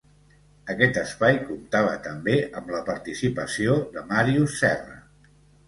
Aquest espai comptava també amb la participació de Màrius Serra.